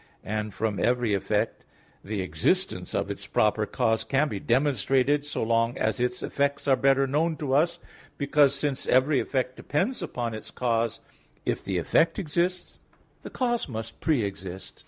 And from every effect the existence of its proper cause can be demonstrated, so long as its effects are better known to us; because since every effect depends upon its cause, if the effect exists, the cause must pre exist.